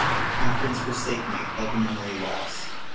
My friends forsake me like a memory lost.